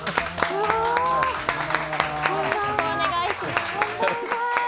よろしくお願いします。